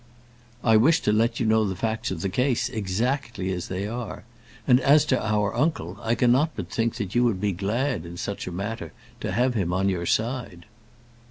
"I wished to let you know the facts of the case, exactly as they are. And as to our uncle, I cannot but think that you would be glad, in such a matter, to have him on your side."